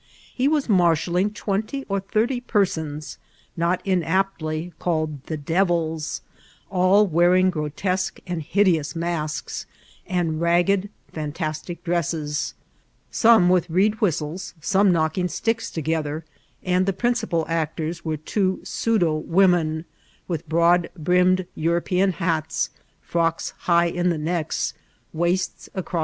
He was marshalling twenty or thirty persons, not inapt ly called the Devils, all wearing grotesque and hideous masks, and ragged, frtntastio dresses ; some with reed whistles, some knocking sticks together ; and the prin cipal actors were two pseudo women, with broad brim med European hats, frocks high in the necks, waists AN ODD PROCKtSIOK.